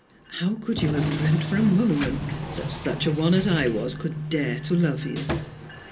How could you have dreamt for a moment that such a one as I was could dare to love you?